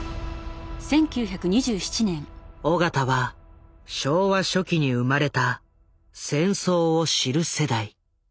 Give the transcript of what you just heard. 緒方は昭和初期に生まれた戦争を知る世代。